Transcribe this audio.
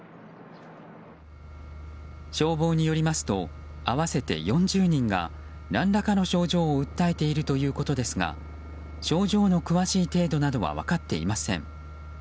消防によりますと合わせて４０人が何らかの症状を訴えているということですが症状の詳しい程度などは分かっていません。